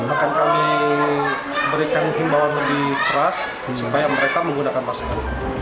akan kami berikan himbawan lebih keras supaya mereka menggunakan masker